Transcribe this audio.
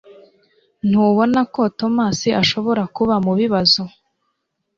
Ntubona ko Tomasi ashobora kuba mubibazo